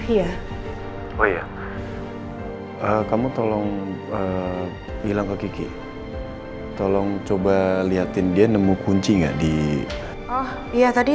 ya oh iya kamu tolong hilang ke qq tolong coba lihatin dia nemu kunci enggak di iya tadi